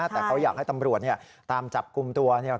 แต่เขาอยากให้ตำรวจเนี่ยตามจับกลุ่มตัวเนี่ย